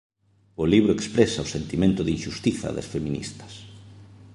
O libro expresa o sentimento de inxustiza das feministas.